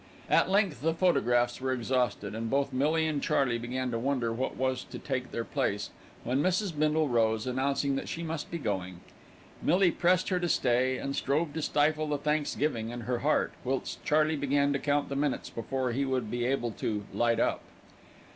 At length the photographs were exhausted, and both Millie and Charley began to wonder what was to take their place, when Mrs. Bindle rose, announcing that she must be going. Millie pressed her to stay, and strove to stifle the thanksgiving in her heart, whilst Charley began to count the minutes before he would be able to "light up."